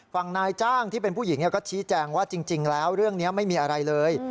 นายจ้างที่เป็นผู้หญิงก็ชี้แจงว่าจริงแล้วเรื่องนี้ไม่มีอะไรเลย